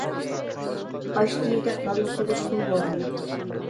ئاچ دىۋىدەك غەلۋە قىلدى قۇم بوران.